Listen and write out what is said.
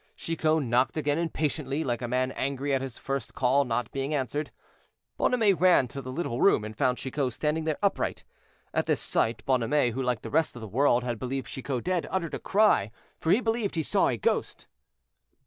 Chicot knocked again impatiently, like a man angry at his first call not being answered. Bonhomet ran to the little room, and found Chicot standing there upright. At this sight Bonhomet, who, like the rest of the world, had believed Chicot dead, uttered a cry, for he believed he saw a ghost.